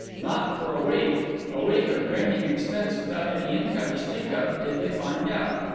Not for a week, a week of draining expense without any income to speak of, did they find out.